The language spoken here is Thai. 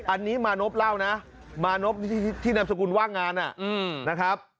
อันนี้มานพเล่านะมานพที่นามสกุลว่างงานนะครับ